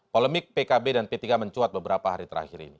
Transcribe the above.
polemik pkb dan p tiga mencuat beberapa hari terakhir ini